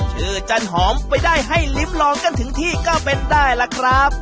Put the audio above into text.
จันหอมไปได้ให้ลิ้มลองกันถึงที่ก็เป็นได้ล่ะครับ